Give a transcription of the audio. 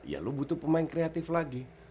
ya lo butuh pemain kreatif lagi